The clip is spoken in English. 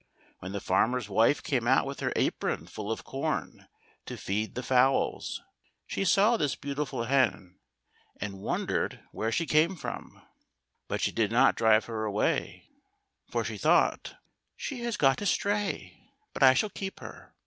When the far mer's wife came out with her apron full of corn to feed the fowls, she saw this beautiful hen, and wondered where she came from ; but she did not drive her away, for she thought, " She has got astray, but I shall keep her.